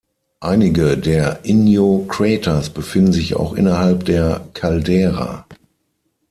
Einige der Inyo Craters befinden sich auch innerhalb der Caldera.